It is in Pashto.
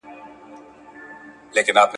چي دې اولس وه تل نازولي !.